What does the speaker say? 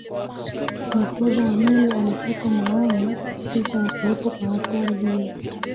nahodha wa meli alipata maonyo sita ya kuwepo kwa hatari hiyo